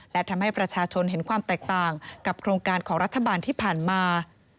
และทำให้ประชาชนเห็นความแตกต่างกับโครงการของรัฐบาลที่ผ่านมา